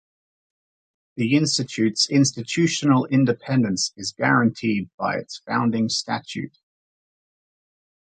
The Institute's institutional independence is guaranteed by its founding statute.